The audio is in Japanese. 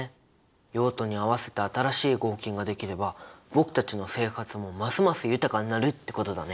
用途に合わせた新しい合金ができれば僕たちの生活もますます豊かになるってことだね。